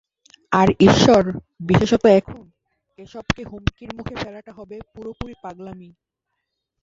আর ঈশ্বর, বিশেষত এখন, এসবকে হুমকির মুখে ফেলাটা হবে পুরোপুরি পাগলামি।